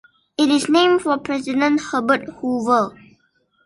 It is named for president Herbert Hoover.